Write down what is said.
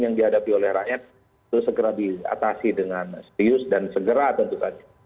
yang dihadapi oleh rakyat itu segera diatasi dengan serius dan segera tentu saja